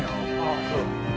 ああそう。